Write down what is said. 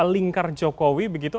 lingkar jokowi begitu